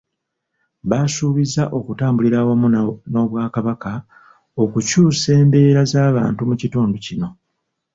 Basuubiza okutambulira awamu n’Obwakabaka okukyusa embeera z’abantu mu kitundu kino.